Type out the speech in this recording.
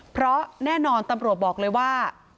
เพราะแน่นอนตำรวจบอกเลยว่า